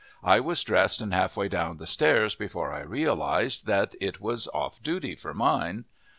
I was dressed and halfway down stairs before I realized that it was off duty for mine.